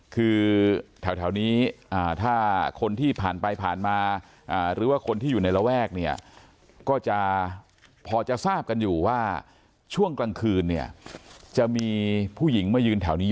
คือแถวนี้ถ้าคนที่ผ่านไปผ่านมาหรือว่าคนที่อยู่ในระแวกเนี่ยก็จะพอจะทราบกันอยู่ว่าช่วงกลางคืนเนี่ยจะมีผู้หญิงมายืนแถวนี้